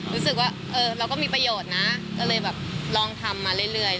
รู้สึกว่าเออเราก็มีประโยชน์นะก็เลยแบบลองทำมาเรื่อย